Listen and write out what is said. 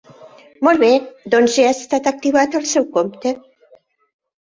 Molt bé, doncs ja ha estat activat el seu compte.